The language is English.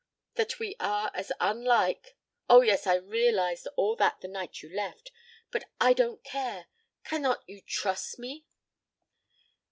That we are as unlike " "Oh, yes, I realized all that the night you left. But I don't care. Cannot you trust me?"